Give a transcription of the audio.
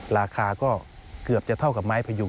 ราคาก็เกือบจะเท่ากับไม้พยุง